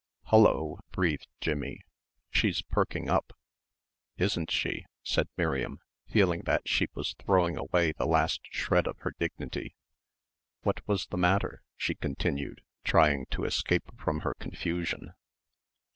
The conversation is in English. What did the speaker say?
"Hulloh!" breathed Jimmie, "she's perking up." "Isn't she," said Miriam, feeling that she was throwing away the last shred of her dignity. "What was the matter?" she continued, trying to escape from her confusion.